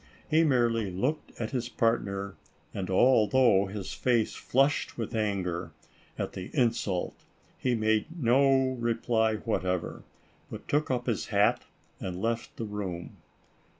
He merely looked at his partner, and although his face flushed with anger at the in sult, he made no reply whatever, but took up his hat and left the room.